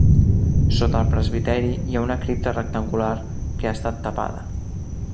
Sota el presbiteri hi ha una cripta rectangular, que ha estat tapada.